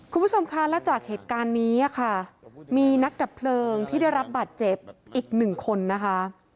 คุณผู้ชมคะและจากเหตุการณ์นี้ค่ะมีนักดับเพลิงที่ได้รับบาดเจ็บอีกหนึ่งคนนะคะ